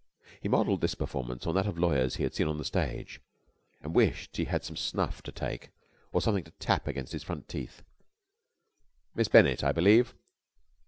He modelled this performance on that of lawyers he had seen on the stage, and wished he had some snuff to take or something to tap against his front teeth. "Miss Bennett, I believe?"